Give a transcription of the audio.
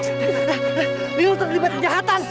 ini lo terlibat kejahatan